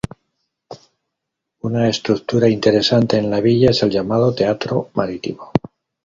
Una estructura interesante en la villa es el llamado "Teatro marítimo".